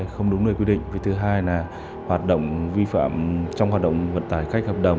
không đúng nơi quy định vì thứ hai là hoạt động vi phạm trong hoạt động vận tải khách hợp đồng